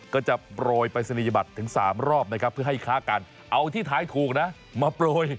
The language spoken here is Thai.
ก็จะโปรยปริศนียบัตรถึง๓รอบนะครับเพื่อให้ค้ากันเอาที่ท้ายถูกนะมาโปรย